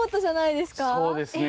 そうですね